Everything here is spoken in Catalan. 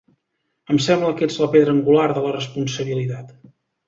Em sembla que ets la pedra angular de la responsabilitat.